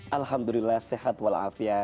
alhamdulillah sehat walafiat